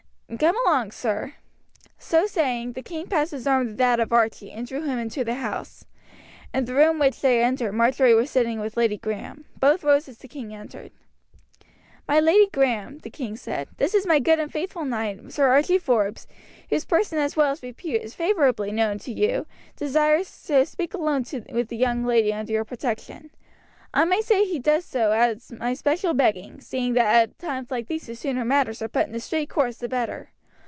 Come along, sir." So saying, the king passed his arm through that of Archie, and drew him into the house. In the room which they entered Marjory was sitting with Lady Graham. Both rose as the king entered. "My Lady Graham," the king said, "this my good and faithful knight Sir Archie Forbes, whose person as well as repute is favourably known to you, desires to speak alone with the young lady under your protection. I may say he does so at my special begging, seeing that at times like these the sooner matters are put in a straight course the better.